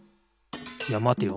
いやまてよ。